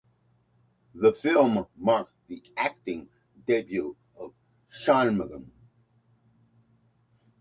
The film marked the acting debut of Shanmugham.